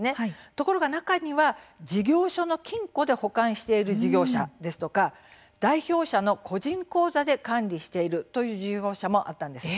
ところが中には事業所の金庫で保管している事業者ですとか代表者の個人口座で管理しているという事業者もあったんです。